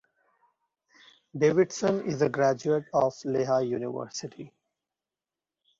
Davidson is a graduate of Lehigh University.